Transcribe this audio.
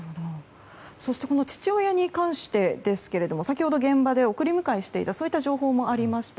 そして、父親に関しては先ほど、現場で送り迎えしていたという情報もありました。